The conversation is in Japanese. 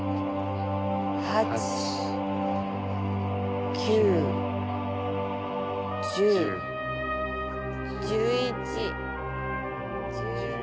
８９１０１１１２。